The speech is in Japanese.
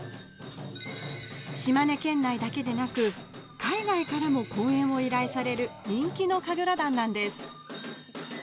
島根県内だけでなく海外からも公演を依頼される人気の神楽団なんです。